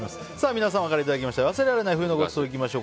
皆様からいただきました冬のごちそう、いきましょう。